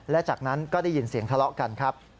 และจากนั้นก็ได้ยินเสียงทะเลาะกันครับ